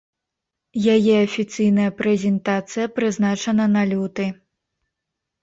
Яе афіцыйная прэзентацыя прызначана на люты.